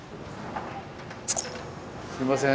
すいません。